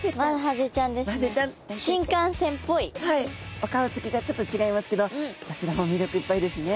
お顔つきがちょっと違いますけどどちらも魅力いっぱいですね。